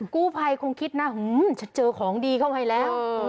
กู้ภัยคงคิดนะจะเจอของดีเข้าให้แล้ว